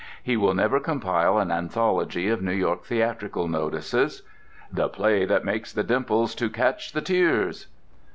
He will never compile an anthology of New York theatrical notices: "The play that makes the dimples to catch the tears."